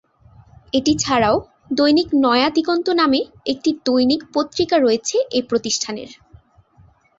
এটি এছাড়াও দৈনিক নয়া দিগন্ত নামে একটি দৈনিক পত্রিকা রয়েছে এই প্রতিষ্ঠানের।